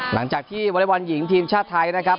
หลังจากที่วอเล็กบอลหญิงทีมชาติไทยนะครับ